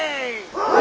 はい！